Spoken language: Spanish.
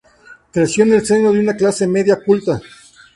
Creció en el seno de una clase media culta.